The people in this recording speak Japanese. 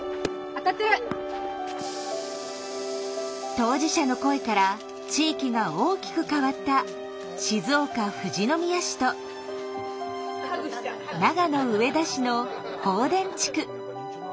当事者の声から地域が大きく変わった静岡・富士宮市と長野・上田市の豊殿地区。